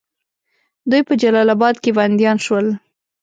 دوی په جلال آباد کې بندیان شول.